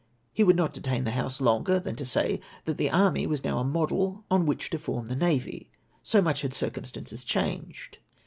He w^ould not detain the House longer than to say that the army was now a model on which to form the navy — so much had circumstances changed.